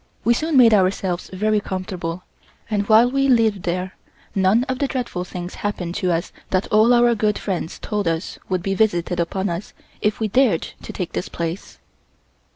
We soon made ourselves very comfortable, and while we lived there, none of the dreadful things happened to us that all of our good friends told us would be visited upon us if we dared to take this place.